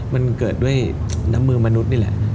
มันเกิดด้วยน้ำมือมนุษย์นี่แหละ